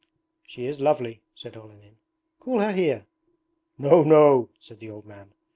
'She is lovely,' said Olenin. 'Call her here!' 'No, no,' said the old man.